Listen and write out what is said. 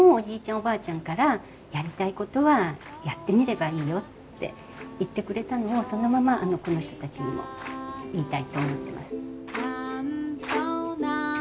おばあちゃんからやりたいことはやってみればいいよって言ってくれたのをそのままこの人たちにも言いたいと思ってます。